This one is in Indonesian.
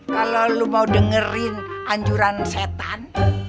kalau lo mau dengerin anjuran setan